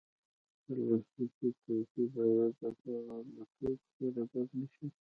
پلاستيکي توکي باید د کاغذ له توکو سره ګډ نه شي.